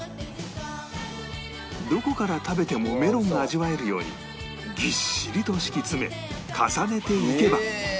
どこから食べてもメロンが味わえるようにぎっしりと敷き詰め重ねていけば